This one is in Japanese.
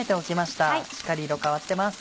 しっかり色変わってます。